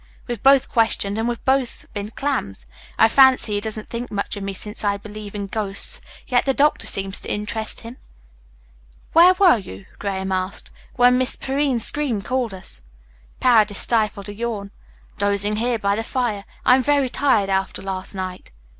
"We've both questioned, and we've both been clams. I fancy he doesn't think much of me since I believe in ghosts, yet the doctor seems to interest him." "Where were you?" Graham asked, "when Miss Perrine's scream called us?" Paredes stifled a yawn. "Dozing here by the fire. I am very tired after last night."